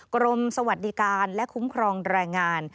กรมสวัสดิการและคุ้มครองแรงงาน